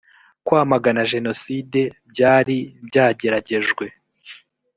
kwamagana jenoside byari byageragejwe